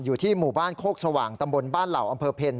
อยู่ที่หมู่บ้านโคกสว่างตำบลบ้านเหล่าอำเภอเพ็ญ